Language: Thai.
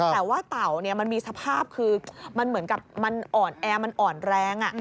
แต่ว่าเต่ามันมีสภาพคือมันเหมือนกับมันอ่อนแอมันอ่อนแรง